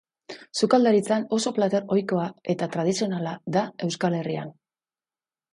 Sukaldaritzan, oso plater ohikoa eta tradizionala da Euskal Herrian.